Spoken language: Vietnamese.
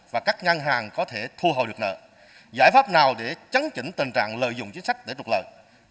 và các ngân hàng có thể thu hồi được nợ giải pháp nào để chấn chỉnh tình trạng lợi dụng chính sách để trục lợi